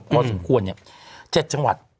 ก็สมควรเนี่ย๗จังหวัด